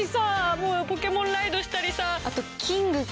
もうポケモンライドしたりさ。